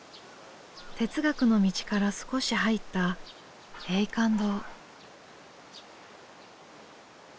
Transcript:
哲学の道から少し入った永観堂。